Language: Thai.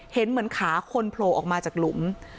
เห็นเหมือนขาคนโผล่ออกมาจากหลุม